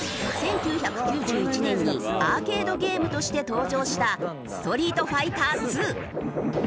１９９１年にアーケードゲームとして登場した『ストリートファイターⅡ』。